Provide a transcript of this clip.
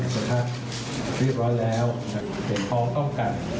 เพื่อจะออกจากตำแหน่ง